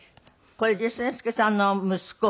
これ善之介さんの息子？